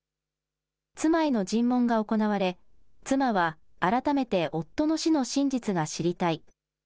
妻への尋問が行われ、妻は改めて夫の死の真実が知りたい。